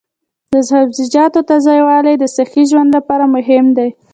د سبزیجاتو تازه والي د صحي ژوند لپاره مهمه ده.